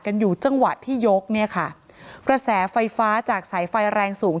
อยู่จังหวะที่ยกเนี่ยค่ะกระแสไฟฟ้าจากสายไฟแรงสูง